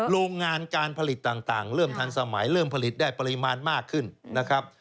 โรงงานการผลิตต่างเริ่มทันสมัยเริ่มผลิตได้ปริมาณมากขึ้นนะครับ